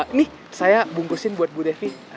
ini saya bungkusin buat bu devi